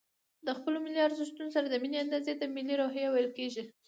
د خپلو ملي ارزښتونو سره د ميني اندازې ته ملي روحيه ويل کېږي.